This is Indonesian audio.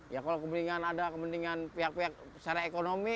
ya kalau kepentingan ada kepentingan pihak pihak secara ekonomi